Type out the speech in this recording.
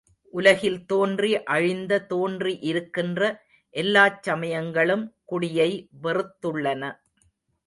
உலகில் தோன்றி அழிந்த, தோன்றி இருக்கின்ற எல்லாச் சமயங்களும் குடியை வெறுத்துள்ளன.